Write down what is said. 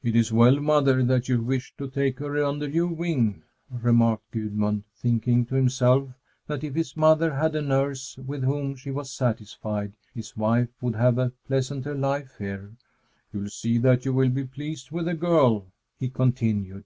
"It is well, mother, that you wish to take her under your wing," remarked Gudmund, thinking to himself that if his mother had a nurse with whom she was satisfied, his wife would have a pleasanter life here. "You'll see that you will be pleased with the girl," he continued.